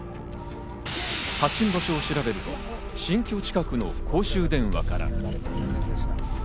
発信場所を調べると新居近くの公衆電話から。